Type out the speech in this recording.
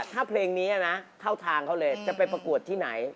ถ้าเพลงนี้นะเข้าทางเขาเลยจะไปประกวดที่ไหน